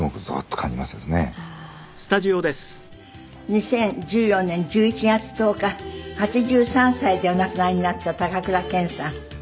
２０１４年１１月１０日８３歳でお亡くなりになった高倉健さん。